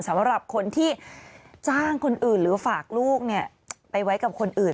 สำหรับคนที่จ้างคนอื่นหรือฝากลูกไปไว้กับคนอื่น